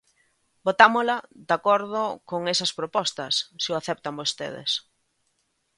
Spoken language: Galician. Votámola de acordo con esas propostas, se o aceptan vostedes.